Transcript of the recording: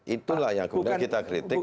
itulah yang kemudian kita kritik